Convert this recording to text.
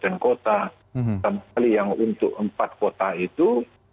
terutama sekali yang untuk empat kota itu